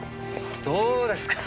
どうですか。